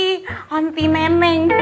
neneng kan pengen dipanggil onti